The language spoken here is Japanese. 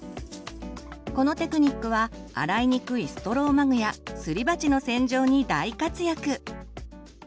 このテクニックは洗いにくいストローマグやすり鉢の洗浄に大活躍！